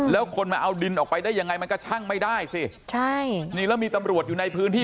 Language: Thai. แล้วคนมาเอาดินออกไปได้ยังไงมันก็ชั่งไม่ได้สิใช่นี่แล้วมีตำรวจอยู่ในพื้นที่